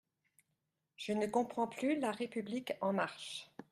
Je ne comprends plus La République en marche.